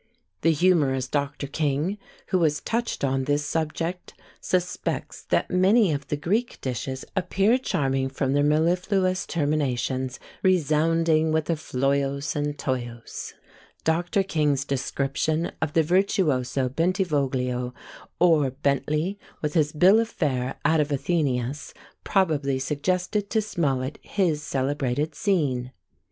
The humorous Dr. King, who has touched on this subject, suspects that many of the Greek dishes appear charming from their mellifluous terminations, resounding with a floios and toios. Dr. King's description of the Virtuoso Bentivoglio or Bentley, with his "Bill of Fare" out of AthenÃḊus, probably suggested to Smollett his celebrated scene.